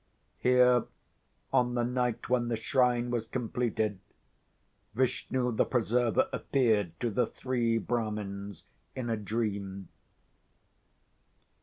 Here, on the night when the shrine was completed, Vishnu the Preserver appeared to the three Brahmins in a dream.